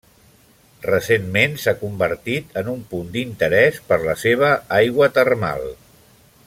Recentment s'ha convertit en un punt d'interès per la seva aigua termal.